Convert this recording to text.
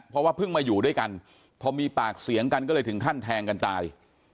เพราะว่าเพิ่งมาอยู่ด้วยกันพอมีปากเสียงกันก็เลยถึงขั้นแทงกันตาย